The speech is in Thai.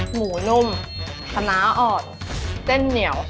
หมูนุ่มคณะอ่อนเส้นเหนียว